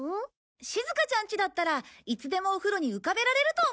しずかちゃんちだったらいつでもお風呂に浮かべられると思って。